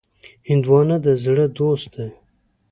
هندوانه د زړه دوست دی.